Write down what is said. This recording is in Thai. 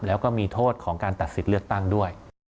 แล้วก็มีโทษของการตัดสิทธิ์เลือกตั้งด้วย